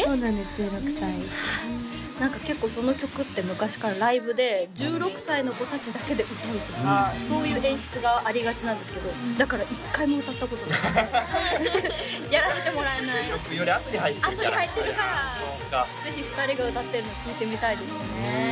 １６歳何か結構その曲って昔からライブで１６歳の子達だけで歌うとかそういう演出がありがちなんですけどだから１回も歌ったことがなくてやらせてもらえない１６よりあとに入ってるからあとに入ってるからぜひ２人が歌ってるのを聴いてみたいですね